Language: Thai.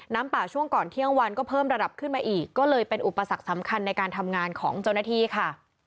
น้ำป่าช่วงก่อนเที่ยงวันก็เพิ่มระดับขึ้นมาอีกก็เลยเป็นอุปสรรคสำคัญในการทำงานของเจ้าหน้าที่ค่ะ